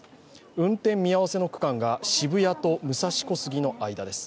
運転見合わせの区間が渋谷と武蔵小杉の間です。